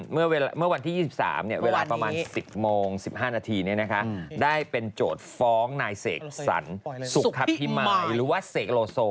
เมื่อวันที่๒๓เวลาประมาณ๑๐โมง๑๕นาทีได้เป็นโจทย์ฟ้องนายเสกสรรสุขภิมายหรือว่าเสกโลโซ